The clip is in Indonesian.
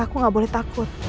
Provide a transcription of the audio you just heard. aku gak boleh takut